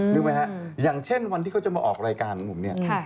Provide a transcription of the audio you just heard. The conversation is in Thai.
นึกไหมครับอย่างเช่นวันที่เขาจะมาออกรายการของผม